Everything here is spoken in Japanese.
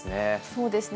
そうですね。